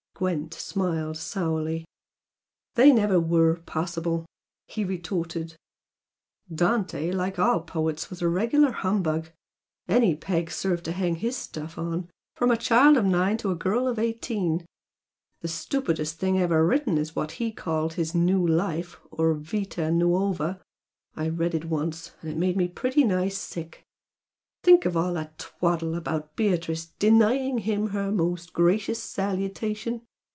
Gwent smiled sourly. "They never WERE possible!" he retorted "Dante was, like all poets, a regular humbug. Any peg served to hang his stuff on, from a child of nine to a girl of eighteen. The stupidest thing ever written is what he called his 'New Life' or 'Vita Nuova.' I read it once, and it made me pretty nigh sick. Think of all that twaddle about Beatrice 'denying him her most gracious salutation'!